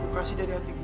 lo kasih dari hati gue